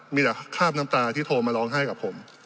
มีแต่คราบน้ำตาที่โทรมาร้องไห้กับผม